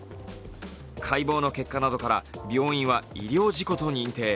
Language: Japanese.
解剖の結果などから病院は医療事故と認定。